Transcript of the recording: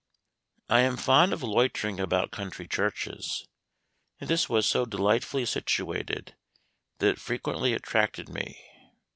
I am fond of loitering about country churches, and this was so delightfully situated, that it frequently attracted me.